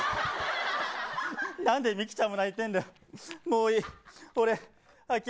なんでミキちゃんも泣いてるんだよ。